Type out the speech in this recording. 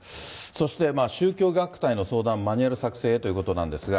そして宗教学会の相談、マニュアル作成へということなんですが。